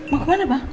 mau ke mana pak